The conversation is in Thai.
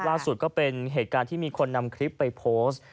ก็เป็นเหตุการณ์ที่มีคนนำคลิปไปโพสต์